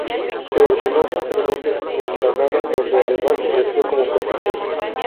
Se ordenó sacerdote en Granada, donde además ejerció como profesor.